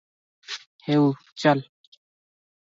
"ହେଉ ଚାଲ-"